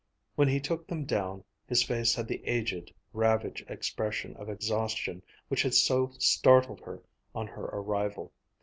When he took them down, his face had the aged, ravaged expression of exhaustion which had so startled her on her arrival.